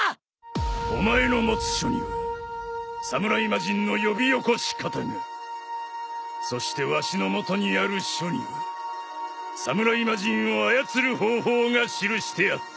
お前の持つ書には侍魔人の呼び起こし方がそしてわしの元にある書には侍魔人を操る方法が記してあった。